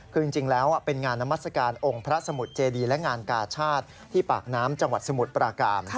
คือจริงแล้วเป็นงานนามัศกาลองค์พระสมุทรเจดีและงานกาชาติที่ปากน้ำจังหวัดสมุทรปราการ